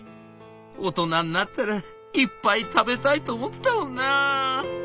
「大人になったらいっぱい食べたいと思ってたもんな」。